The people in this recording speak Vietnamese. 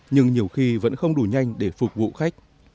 nhưng nhiều khi vẫn không đủ nhanh để phục vụ khách